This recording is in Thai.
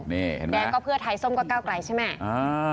แดนก็เป้าไทยส้มก็กล้าวไกลใช่ม๊ะ